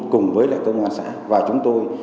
cùng với lại công an xã và chúng tôi